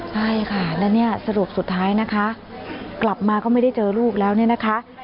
ใช่ค่ะแล้วเนี่ยสรุปสุดท้ายนะคะกลับมาก็ไม่ได้เจอลูกแล้วเนี่ยนะคะ